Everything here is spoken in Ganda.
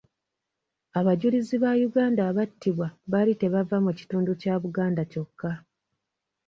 Abajulizi ba Uganda abattibwa baali tebava mu kitundu kya Buganda kyokka.